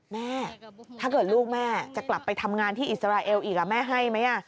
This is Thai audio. แม่ถ้าเกิดลูกแม่จะกลับไปทำงานที่อิสราเอลอีกแม่ให้ไหม